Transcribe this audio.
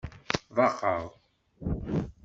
Ḍaqeɣ!